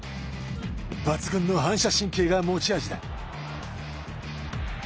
抜群の反射神経が持ち味だ。